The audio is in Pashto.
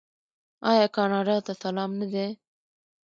آیا کاناډا ته سلام نه دی؟